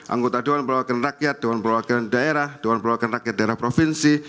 anggota dewan perwakilan rakyat dewan perwakilan daerah dewan perwakilan rakyat daerah provinsi